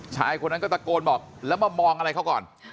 ชายคนนั้นก็ตะโกนบอกแล้วมามองอะไรเขาก่อน